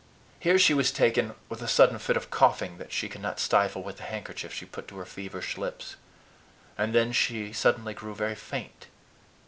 Here she was taken with a sudden fit of coughing that she could not stifle with the handkerchief she put to her feverish lips. And then she suddenly grew very faint.